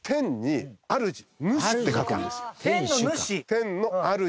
天の主。